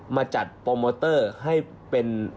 มาจัดโปรโมเตอร์ให้เป็น